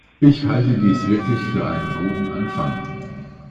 Ich halte dies wirklich für einen guten Anfang.